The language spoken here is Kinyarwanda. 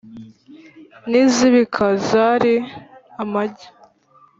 N’izibika zari amagi.